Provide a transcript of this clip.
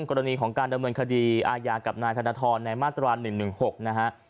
กรณีของการดำเนินคดีอาญากับนายธนทรในมาตรา๑๑๖นะฮะ